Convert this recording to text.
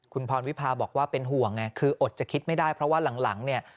คุณพรวิพาบอกว่าเป็นห่วงไงคืออดจะคิดไม่ได้เพราะว่าหลังเนี่ย